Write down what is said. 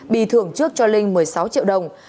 bị thưởng trước cho linh một mươi sáu triệu đồng